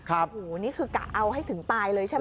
โอ้โหนี่คือกะเอาให้ถึงตายเลยใช่ไหม